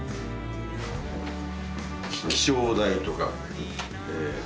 気象台とか警察。